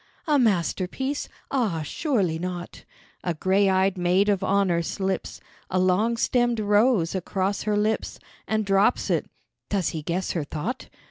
"A masterpiece? Ah, surely not." A grey eyed maid of honour slips A long stemmed rose across her lips And drops it; does he guess her thought?